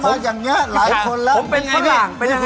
ผมมาอย่างเนี้ยหลายคนแล้วผมเป็นข้างหลัง